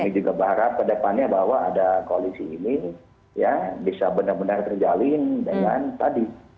kami juga berharap ke depannya bahwa ada koalisi ini ya bisa benar benar terjalin dengan tadi